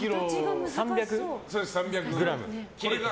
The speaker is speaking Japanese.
３００ｇ？